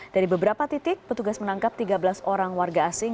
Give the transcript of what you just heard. dari beberapa titik petugas menangkap tiga belas orang warga asing